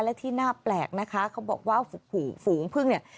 และที่น่าแปลกนะคะเขาบอกว่าฝูงพึ่งเนี่ย